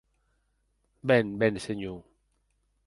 Ben, ben, senhor!